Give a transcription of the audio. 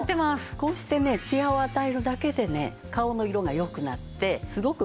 こうしてねツヤを与えるだけでね顔の色がよくなってすごく若々しく見えるでしょ？